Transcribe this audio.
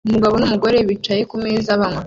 Umugabo numugore bicaye kumeza banywa